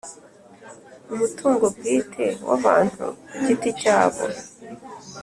Umutungo bwite w abantu ku giti cyabo